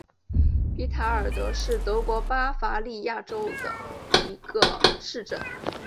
比塔尔德是德国巴伐利亚州的一个市镇。